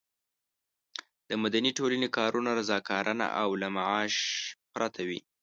د مدني ټولنې کارونه رضاکارانه او له معاش پرته وي.